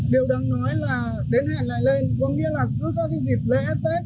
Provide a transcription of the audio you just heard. điều đáng nói là đến hẹn lại lên có nghĩa là cứ có cái dịp lễ tết